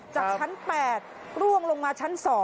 จากชั้น๘ร่วงลงมาชั้น๒